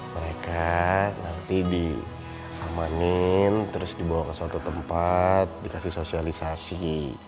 mereka nanti diamanin terus dibawa ke suatu tempat dikasih sosialisasi